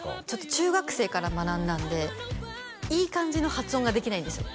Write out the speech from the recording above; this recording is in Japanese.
中学生から学んだんでいい感じの発音ができないんですよ